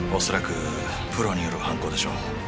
恐らくプロによる犯行でしょう